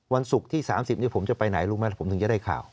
วันศุกร์ที่๓๐นี้ผมจะไปไหนรู้ไหมผมถึงจะได้ข่าว